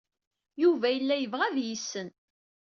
Yuba yella yebɣa ad iyi-yessen.